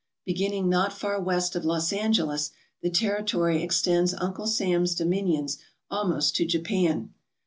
Beginning not far west of Los Angeles, the territory extends Uncle Sam's domin ions almost to Japan.